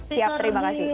siap terima kasih